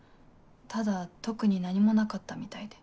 ただ特に何もなかったみたいで。